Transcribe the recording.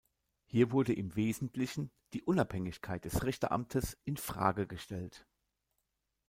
Hier wurde im Wesentlichen die Unabhängigkeit des Richteramtes in Frage gestellt.